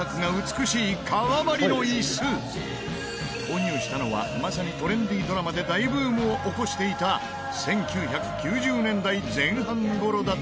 購入したのはまさにトレンディードラマで大ブームを起こしていた１９９０年代前半頃だという。